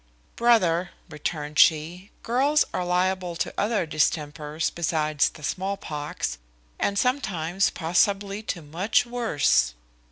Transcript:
"Brother," returned she, "girls are liable to other distempers besides the small pox, and sometimes possibly to much worse."